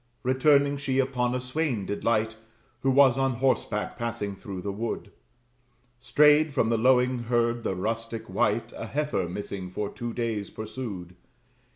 Returning, she upon a swain did light, Who was on horseback passing through the wood. Strayed from the lowing herd, the rustic wight A heifer missing for two days pursued.